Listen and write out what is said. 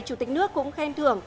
chủ tịch nước cũng khen thưởng